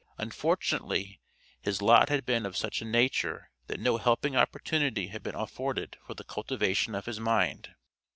Unfortunately his lot had been of such a nature that no helping opportunity had been afforded for the cultivation of his mind.